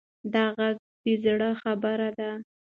دا غږ د زړه خبره وه.